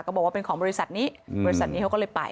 บอกว่าเป็นของบริษัทนี้บริษัทนี้เขาก็เลยไป